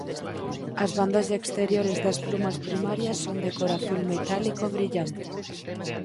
As bandas exteriores das plumas primarias son de cor azul metálico brillante.